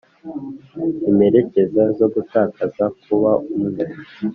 imperekeza zo gutakaza kuba umwe